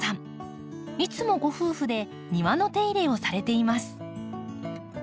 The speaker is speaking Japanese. いつもご夫婦で庭の手入れをされています。